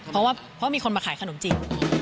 เพราะว่ามีคนมาขายขนมจิต